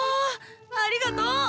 ありがとう！